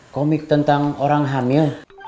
komik tentang orang hamil